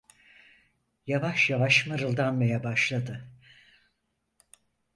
Yavaş yavaş mırıldanmaya başladı: